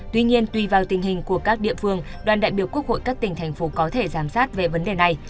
tuy nhiên tùy vào tình hình của các địa phương đoàn đại biểu quốc hội các tỉnh thành phố có thể giám sát về vấn đề này